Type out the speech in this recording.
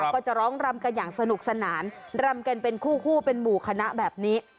ก็จะร้องรำกันอย่างสนุกสนานรำกันเป็นคู่เป็นหมู่คณะแบบนี้